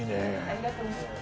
ありがとうございます。